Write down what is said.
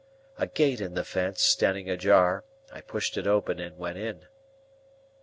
A gate in the fence standing ajar, I pushed it open, and went in.